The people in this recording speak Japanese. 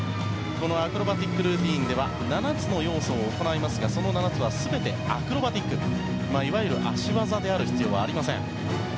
アクロバティックルーティンでは７つの要素を行いますがその７つは全てアクロバティックいわゆる脚技である必要はありません。